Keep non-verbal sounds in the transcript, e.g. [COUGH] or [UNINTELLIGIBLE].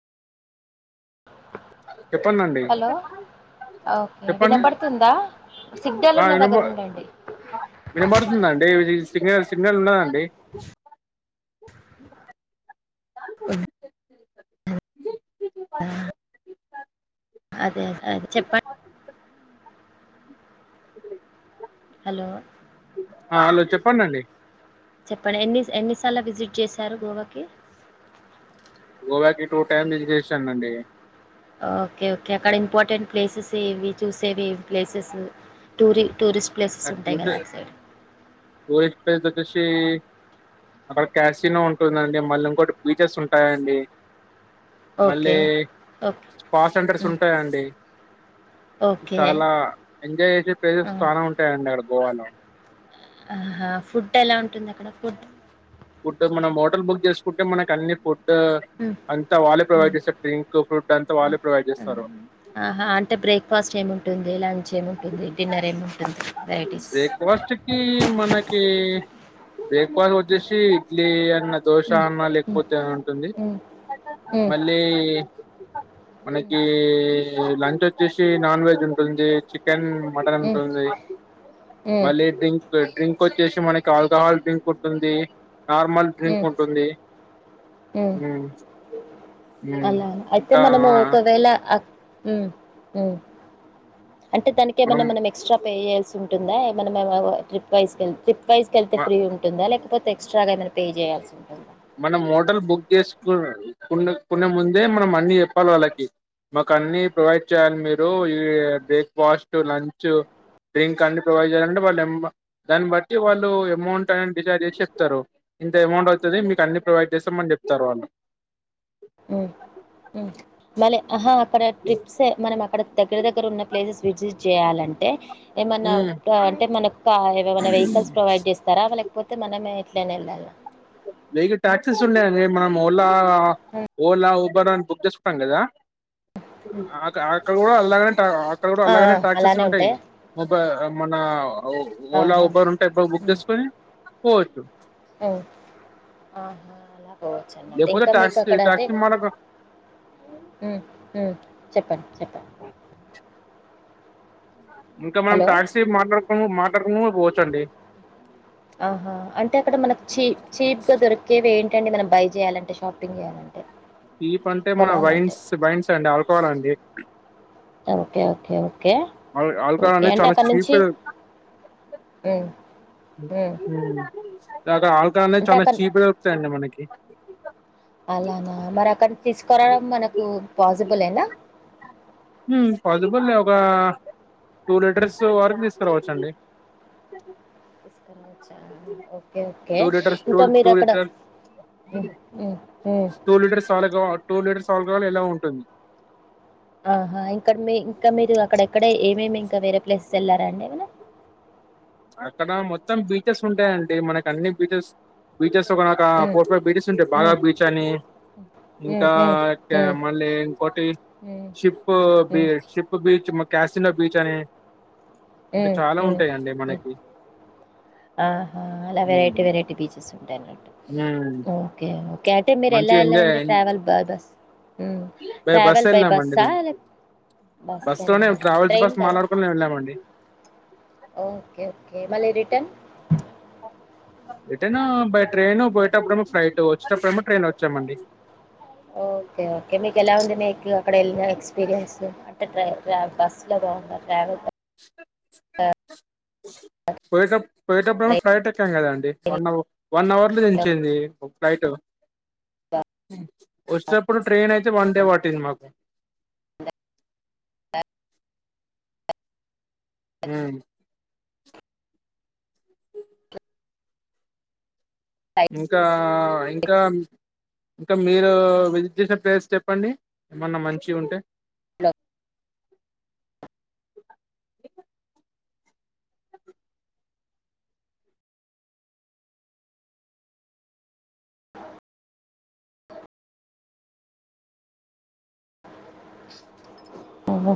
చెప్పండండి hello okay చెప్పండి వినపడుతుందా సిగ్నల్ ఆ ఉన్న వినప దగ్గర ఉండండి వినపడుతుందండి విజి సిగ్నల్స్ సిగ్నల్ వుండదండీ హు ఆ అదే అదే అదే చెప్పన్ హలో ఆ హలో చెప్పండండి చెప్పండి ఎన్ని ఎన్నిసార్లు విజిట్ చేశారు గోవాకి గోవాకి టూ టైమ్ విజిట్చేశానండి ఓకే ఓకే అక్కడ ఇంపార్టెంట్ ప్లేసెస్ ఏవి చూసేవి ప్లేసెస్ టూరి టూరిస్ట్ ప్లేసెస్ ఉంటాయి కదా అటు సైడ్ [UNINTELLIGIBLE] అక్కడ క్యాసినో ఉంటుందండి మళ్ళీ ఇంకోటి బీచెస్ ఉంటాయండి మళ్ళీ ఓకే ఓకే స్పా సెంటర్స్ ఉమ్, ఉంటాయండి ఓకే చాలా ఎంజాయ్ చేసే ఆ, ప్లేసెస్ చానా ఉంటాయండి అక్కడ గోవాలో ఆహా ఫుడ్ ఎలా ఉంటుంది అక్కడ ఫుడ్ ఫుడ్డు మనం హోటల్ బుక్ చేసుకుంటే మనకు అన్ని ఫుడ్ డ్ ఉమ్, అంతా వాళ్ళే ఉమ్, ప్రొవైడ్ చేస్తారు డ్రింక్ ఫుడ్ అంతా వాళ్ళే ప్రొవైడ్ ఉమ్, చేస్తారు ఆ అంటే బ్రేక్ఫాస్ట్ ఏం ఉంటుంది లంచ్ ఏముంటుంది డిన్నర్ ఏముంటుంది వెరైటీస్ బ్రేక్ఫాస్ట్ కి మనకి బ్రేక్ఫాస్ట్ వచ్చేసి ఇడ్లీ అ చిన్న దోశా అన్నా లేకపోతే ఉంటుంది మళ్ళీ మనకీ లంచ్ వచ్చేసి నాన్ వెజ్ ఉంటుంది చికెన్ మటన్ ఉంటుంది మళ్ళీ డ్రింక్ క్ డ్రింక్ వచ్చేసి మనకి ఆల్కహాల్ డ్రింక్ ఉంటుంది నార్మల్ డ్రింక్ ఉంటుంది హూమ్ అలా అయితే మనము ఒకవేళ అక్ ఊ ఊ అంటే దానికి ఏమైన్నా మనం ఎక్స్ట్రా పే చేయల్సి ఉంటుందా ఏమన్న మనమ ట్రిప్ వైస్ కెల్ ట్రిప్ వైస్ కెళ్తే ఫ్రీ ఉంటుందా లేకపోతే ఎక్స్ట్రాగా ఏమనా పే చేయాల్సి ఉంటుంది మనం హోటల్ బుక్ చేసుకు కున్న కొనే ముందే మనం అన్ని చెప్పాలి వాళ్ళకి మాకు అన్నీ ప్రొవైడ్ చేయాలి మీరు ఈ బ్రేక్ఫాస్ట్ లంచ్ డ్రింక్ అన్ని ప్రొవైడ్ చేయాలంటే వాళ్ళు దాన్ని బట్టి వాళ్ళు అమౌంట్ అనే డిసైడ్ చేసి చెప్తారు ఇంత అమౌంట్ అవుతుంది మీకు అన్నీ ప్రొవైడ్ చేస్తామని చెప్తారు వాళ్ళు మన ఆహ [UNINTELLIGIBLE] అక్కడ ట్రిప్స మనం అక్కడ దగ్గర దగ్గర ఉన్న ప్లేసెస్ విజిట్ చేయాలంటే ఏమన్నా హ్మ్ అంటే మనయొక్క ఏమమనా వెహికల్స్ ప్రొవైడ్ చేస్తారా లేకపోతే మనమే ఇట్లనే ఎలానా వెహికల్ టాక్సీస్ ఉన్నాయండి మనం ఓలా ఓలా అని బుక్ చేసుకుంటాం కదా అ అక్కడ కూడా అలాగనే అక్కడ కూడా ఆ ఆ అలాగనే టాక్సీస్లు అలానే ఉంటాయి ఉంటాయా మన ఓలా ఆహా! ఉబర్ ఉంటే ఎప్పుడు బుక్ హ్మ్. చేసుకొని పోవచ్చు ఆహా అలా పోవచ్చు అన్నట్టు లేకపోతే ఇంకా మీకు టాక్సీ అక్కడ అంటే టాక్సీ మాట్లాడుకో చెప్పండి చెప్పండి ఇంకా మనం హలో! టాక్సీ మాట్లాడుకు మాట్లాడుకుం పోవచ్చండి ఆహా అంటే అక్కడ మనకి చీప్ చీప్ గా దొరికేవి ఏంటి అం మనం బై చేాలంటేషపింగ్ చేయాలంటే తీప్ అంటే మన వైన్స్ వైన్స్ అండి ఆల్కోహల్ అండి okay okay okay alcohol okay అనేది అంటే చాలా అక్కడి చీప్ నుంచి ఇలాగ అ అ ఇగా ఆల్కా అనే చాలా చీప వెరుతాయిండి మనకి అలానా మరి అక్కడ తీసుకోవడం మనకు పాసిబుల్నా పాజిబుల్నే ఒక టూ హ్మ్. లీటర్స్ వరకు తీస్త తీ రావచ్చండి తీసుకనిచ్చా okay okay two litres two ఇంకా మీరు టూ అక్కడ లీటర్స్ టూ లీటర్ సాల టూ లీటర్ సాలగాల్ ఎలా ఉంటుంది ఆహా ఇంక్కడ మీ ఇంకా మీరు అక్కడ అక్కడే ఏమేమి ఇంకా వేరే ప్లేసెస్ వెళ్లారాండి ఏమనా అక్కడ మొత్తం బీచెస్ ఉంటాయండి మనకు అన్ని బీచెస్ బీచెస్ క హ్మ్ ఫోర్ ఫైవ్ బీచెస్ ఉంటాయి బాగా హ్మ్ బీచ్ అని హ్మ్ ఇకా హ్మ్ హ్మ్ మళ్ళీ ఇంకోటి హ్మ్ షిప్ హ్మ్ beach ship beach casino beach అని అంటే హ్మ్ చాలా హ్మ్ ఉంటాయంండి హ్మ్ మనకి ఆహా అలా వెరైటీ ఉమ్ వెరైటీ బీచస్ ఉంటటు ఓకేఓే ఓకే అంటే మీరు ఎలా వెళ్లంటే ట్రావె బస్ హ్మ్ ఇ బస్ ట్రావెల్ బై ఎలా మంటగ బస్సా లే బస్ లోనే వెళ్ళారా ట్రావెల్స్ ట్రైన్ బస్ కదా మాట్లాడుకునిేము వెళ్ళామండి ఓకే ఓకే మళ్ళీ రిటర్న్ ఏటైనా బై ట్రైన్ పోయేటప్పుడమ ఫ్లైట్ వచ్చేటప్పుడమో ట్రైన్ వచ్చామండి ఓ ఓకే ఓకే మీకు ఎలా ఉంది మీకు అక్కడ వెళ్ళిన ఎక్స్పీరియన్స్ అట్టే ట్రా బస్లో బాా ట్రావెల్ పోయేట పోయేటప్పుడుమ ట్రైన్లో ఫ్లైట్ ఎక్కాం కదా అండి వన్ అవ వన్ అవర్ లో దంచింది ఫ్లైట్ అ వచ్చినప్పుడు ట్రైన్ అయితే వన్ డే పట్టింది మాకు హ ఇంకా ఇంకా ఇంకా మీరు విజిట్ చేసిన ప్లేస్ చెప్పండి ఏమన్నా మంచి ఉంటే ఇలో [INAUDIBLE]